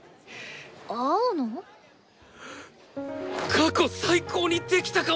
過去最高にできたかも！